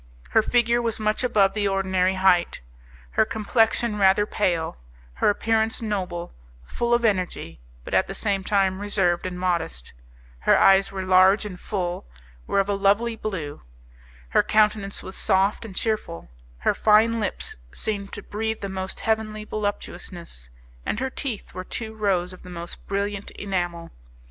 Her figure was much above the ordinary height, her complexion rather pale, her appearance noble, full of energy, but at the same time reserved and modest; her eyes, large and full, were of a lovely blue; her countenance was soft and cheerful; her fine lips seemed to breathe the most heavenly voluptuousness, and her teeth were two rows of the most brilliant enamel.